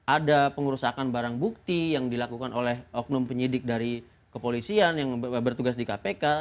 ada pengurusakan barang bukti yang dilakukan oleh oknum penyidik dari kepolisian yang bertugas di kpk